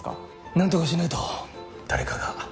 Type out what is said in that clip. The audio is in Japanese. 何とかしないと誰かが。